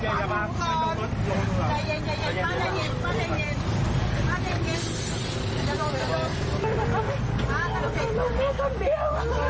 มาแม่ต้นเบี้ยว